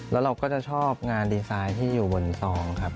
แล้วเราก็จะชอบงานดีไซน์ที่อยู่บนซองครับ